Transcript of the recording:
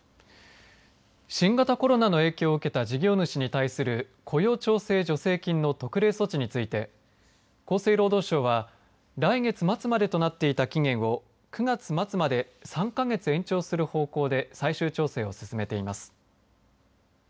新型コロナの影響を受けた事業主に対する雇用調整助成金の特例措置について厚生労働省は来月末までとなっていた期限を９月末まで３か月延長する方向で最終調整を進めています。